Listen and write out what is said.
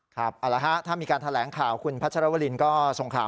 ครับเอาละฮะถ้ามีการแถลงข่าวคุณพัชรวรินก็ส่งข่าว